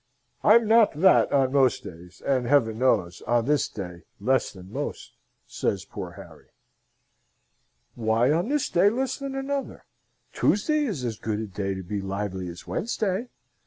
"I'm not that on most days and, Heaven knows, on this day less than most," says poor Harry. "Why on this day less than another? Tuesday is as good a day to be lively as Wednesday.